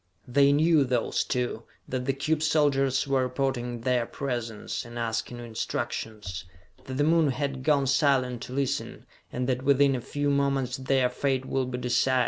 They knew, those two, that the cube soldiers were reporting their presence, and asking instructions; that the Moon had gone silent to listen, and that within a few moments their fate would be decided.